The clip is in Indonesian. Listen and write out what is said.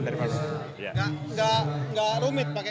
nggak rumit pakai